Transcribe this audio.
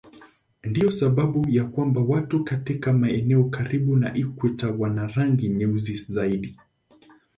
Ndiyo sababu ya kwamba watu katika maeneo karibu na ikweta wana rangi nyeusi zaidi.